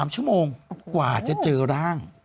๓ชั่วโมงกว่าจะเจอร่าง